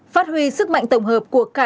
một phát huy sức mạnh tổng hợp của cả